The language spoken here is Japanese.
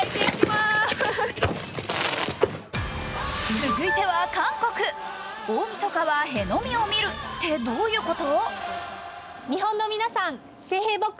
続いては韓国、大みそかはヘノミを見るってどういうこと？